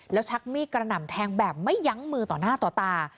แล้วชักมีดกระหน่ำแทงแบบไม่ยั้งมือต่อหน้าต่อตา